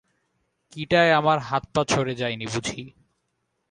কীটায় আমার হাতপা ছড়ে যায় নি বুঝি?